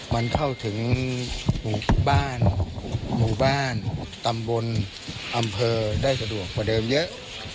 มันเข้าถึงหมู่บ้านหมู่บ้านตำบลอำเภอได้สะดวกกว่าเดิมเยอะ